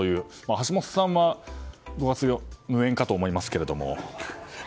橋下さんは、五月病無縁かと思いますけれども。